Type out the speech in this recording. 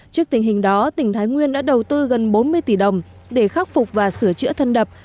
trước tình hình đó tỉnh thái nguyên đã đầu tư gần bốn mươi tỷ đồng để khắc phục và sửa chữa thân đập